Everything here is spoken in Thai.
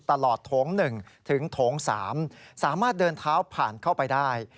โถง๑ถึงโถง๓สามารถเดินเท้าผ่านเข้าไปได้